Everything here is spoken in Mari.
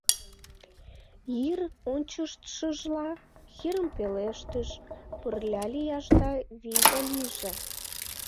— Йыр ончыштшыжла Хирм пелештыш: «Пырля лияшда вийда лийже!».